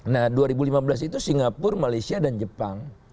nah dua ribu lima belas itu singapura malaysia dan jepang